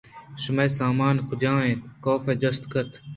شمئے سامان کج اَنت؟ کاف ءَ جست کُت